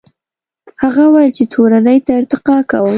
هغه وویل چې تورنۍ ته ارتقا کوم.